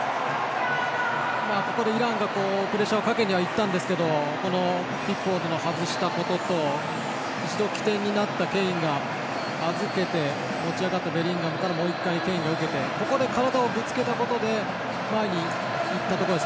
ここでイランがプレッシャーかけにいきましたがピックフォードが外したことと一度起点になったケインが預けて持ち上がったベリンガムからもう１回、ケインが受けて体をぶつけたことで前に行ったところ。